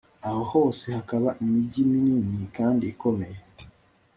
aho hose hakaba imigi minini kandi ikomeye